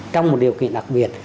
trong một điều kiện đặc biệt